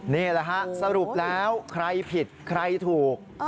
นี่แหละฮะสรุปแล้วใครผิดใครถูก